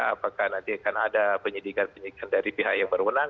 apakah nanti akan ada penyidikan penyidikan dari pihak yang berwenang